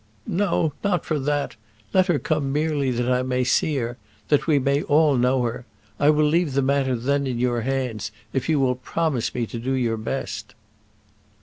"No; not for that: let her come merely that I may see her; that we may all know her. I will leave the matter then in your hands if you will promise me to do your best."